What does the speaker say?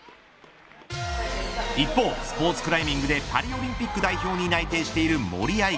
一方、スポーツクライミングでパリオリンピック代表に内定している森秋彩。